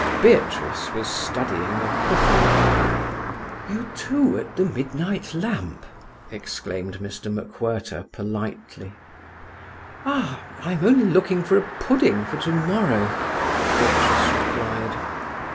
Beatrice was studying a cookery book. "You, too, at the midnight lamp!" exclaimed MacWhirter politely. "Ah, I am only looking for a pudding for tomorrow," Beatrice replied.